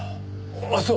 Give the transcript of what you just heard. あっそう！